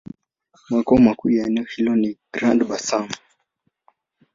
Makao makuu ya eneo hilo ni Grand-Bassam.